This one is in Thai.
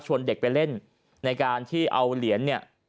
เด็กไปเล่นในการที่เอาเหรียญเนี่ย